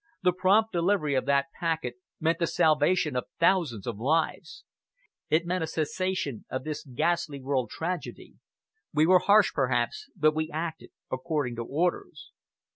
The prompt delivery of that packet meant the salvation of thousands of lives. It meant a cessation of this ghastly world tragedy. We were harsh, perhaps, but we acted according to orders."